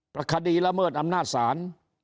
คดีละเมิดอำนาจศาล